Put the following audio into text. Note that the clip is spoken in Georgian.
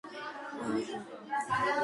იგი ოთხკუთხა ყოფილა.